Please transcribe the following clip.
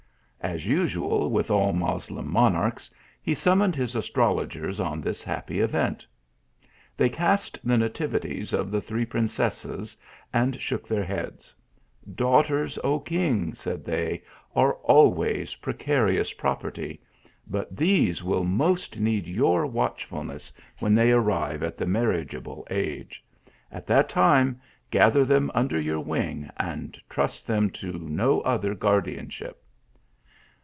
As usual with all Moslem monarchs, he sum moned his astrologers on this happy event. They cast the nativities of the three princesses, and shook their heads. " Daughters, O king," said they, " are always precarious property ; but these will most need your watchfulness when they ar rive at a marriageable age. At that time gather them under your wing, and trust them to no other guardianship."